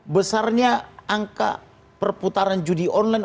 besarnya angka perputaran judi online